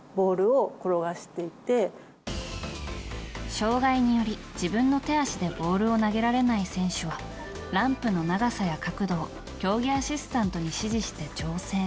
障害により、自分の手足でボールを投げられない選手はランプの長さや角度を競技アシスタントに指示して調整。